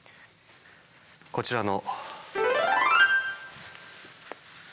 こちらの。